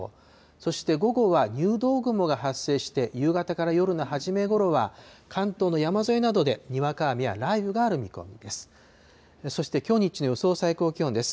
そして午後は入道雲が発生して、夕方から夜の初めごろは、関東の山沿いなどで、にわか雨や雷雨がある見込みです。